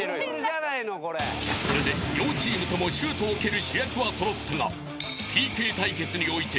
［これで両チームともシュートを蹴る主役は揃ったがＰＫ対決において］